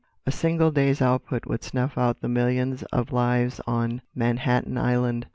A single day's output would snuff out the millions of lives on Manhattan Island.